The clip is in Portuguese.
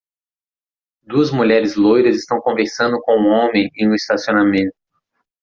Duas mulheres loiras estão conversando com um homem em um estacionamento.